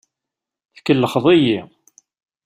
Tkellxeḍ-iyi.